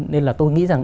nên là tôi nghĩ rằng